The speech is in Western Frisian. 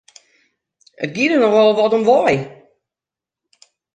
It gie der nochal wat om wei!